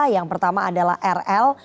yang pertama adalah rl